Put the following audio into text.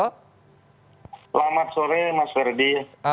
selamat sore mas ferdi